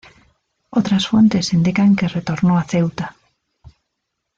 Otras fuentes indican que retornó a Ceuta.